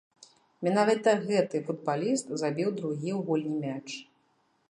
Менавіта гэты футбаліст забіў другі ў гульні мяч.